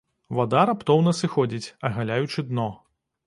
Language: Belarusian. Вада раптоўна сыходзіць, агаляючы дно.